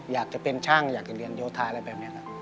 อยากจะเป็นช่างอยากจะเรียนโยธาอะไรแบบนี้ครับ